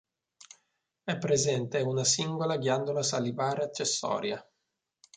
È presente una singola ghiandola salivare accessoria.